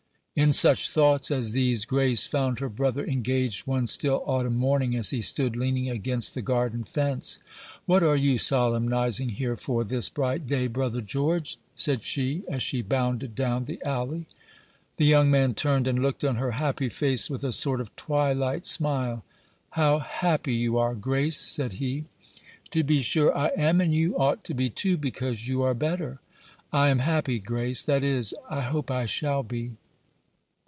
In such thoughts as these Grace found her brother engaged one still autumn morning, as he stood leaning against the garden fence. "What are you solemnizing here for, this bright day, brother George?" said she, as she bounded down the alley. The young man turned and looked on her happy face with a sort of twilight smile. "How happy you are, Grace!" said he. "To be sure I am; and you ought to be too, because you are better." "I am happy, Grace that is, I hope I shall be."